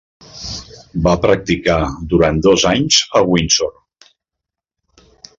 Va practicar durant dos anys a Windsor.